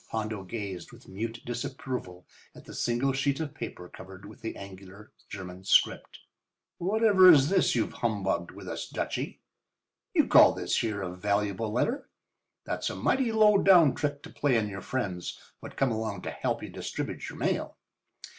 Hondo gazed with mute disapproval at the single sheet of paper covered with the angular German script. "Whatever is this you've humbugged us with, Dutchy? You call this here a valuable letter? That's a mighty low down trick to play on your friends what come along to help you distribute your mail."